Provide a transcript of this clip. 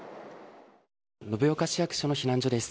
延岡市役所の避難所です。